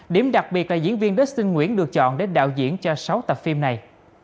điểm đặc biệt là diễn viên busin nguyễn được chọn để đạo diễn cho sáu tập phim này